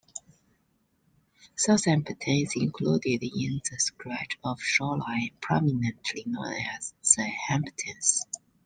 Southampton is included in the stretch of shoreline prominently known as The Hamptons.